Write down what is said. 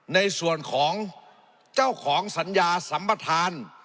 ในส่วนของเจ้าของสัญญาสัมปทาน